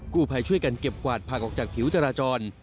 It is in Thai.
ผู้ภัยช่วยกันเก็บกวาดผักออกจากผิวจราจร